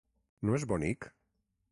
No és bonic?